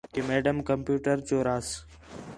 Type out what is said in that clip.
کہ میڈم کمپیوٹر چوراس